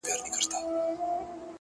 انسانه واه واه نو’ قتل و قتال دي وکړ’